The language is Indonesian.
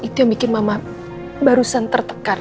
itu yang bikin mama barusan tertekar